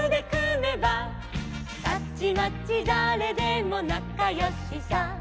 「たちまちだれでもなかよしさ」